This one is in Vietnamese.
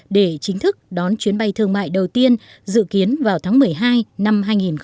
để chính thức đón chuyến bay thương mại đầu tiên dự kiến vào tháng một mươi hai năm hai nghìn hai mươi